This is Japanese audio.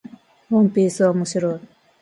ワンピースは面白い